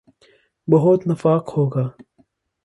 بہت نفاق ہو گا۔